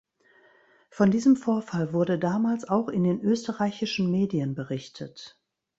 Von diesem Vorfall wurde damals auch in den österreichischen Medien berichtet.